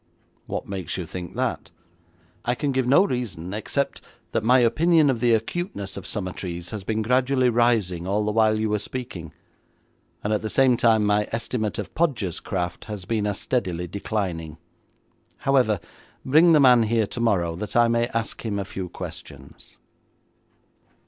'What makes you think that?' 'I can give no reason except that my opinion of the acuteness of Summertrees has been gradually rising all the while you were speaking, and at the same time my estimate of Podgers' craft has been as steadily declining. However, bring the man here tomorrow, that I may ask him a few questions.'